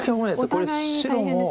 これ白も。